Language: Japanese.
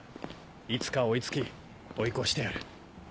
いつか追いつき追い越してやる。